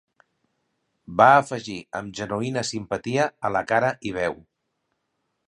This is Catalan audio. Va afegir, amb genuïna simpatia a la cara i veu.